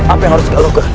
apa yang harus kau lakukan